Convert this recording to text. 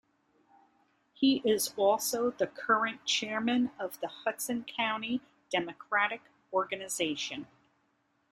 He is also the current Chairman of the Hudson County Democratic Organization.